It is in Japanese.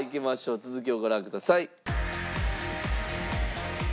続きをご覧ください。